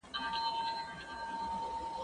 دا ليکنه له هغه ښه ده؟!